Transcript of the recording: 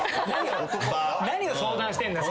何を相談してんのよ